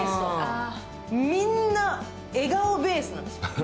みんな笑顔ベースなんですよ。